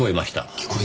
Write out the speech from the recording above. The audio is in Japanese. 聞こえたね。